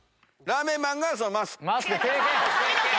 ラーメンマンがマスク。